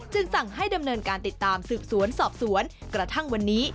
สั่งให้ดำเนินการติดตามสืบสวนสอบสวนกระทั่งวันนี้